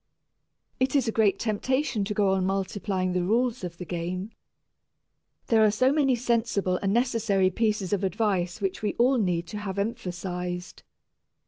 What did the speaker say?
It is a great temptation to go on multiplying the rules of the game. There are so many sensible and necessary pieces of advice which we all need to have emphasized.